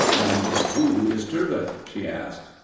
'" "And who is 'Turbot'?" she asked.